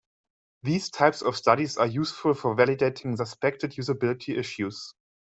These types of studies are useful for validating suspected usability issues.